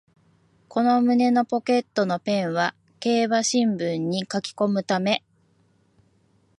この胸ポケットのペンは競馬新聞に書きこむため